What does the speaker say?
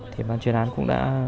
thì bàn chuyển án cũng đã